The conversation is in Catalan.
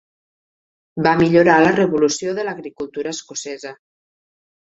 Va millorar la revolució de l'agricultura escocesa.